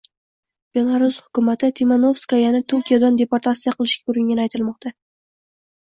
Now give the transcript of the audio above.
Belarus hukumati Timanovskayani Tokiodan deportatsiya qilishga uringani aytilmoqda